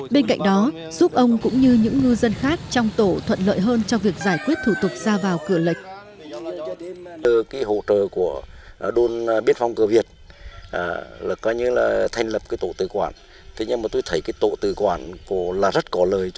bên cạnh đó giúp ông cũng như những ngư dân khác trong tổ thuận lợi hơn trong việc giải quyết thủ tục ra vào cửa lệch